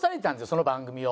その番組を。